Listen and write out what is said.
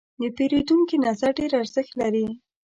د پیرودونکي نظر ډېر ارزښت لري.